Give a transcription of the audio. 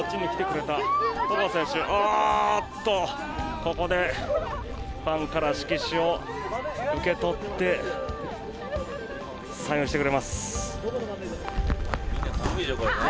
ここでファンから色紙を受け取ってサインをしてくれます。